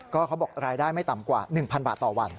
ก็เขาบอกรายได้ไม่ต่ำกว่า๑๐๐บาทต่อวัน